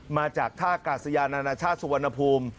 มาจากท่ากาศยานานาชาติสุวรรณภูมิ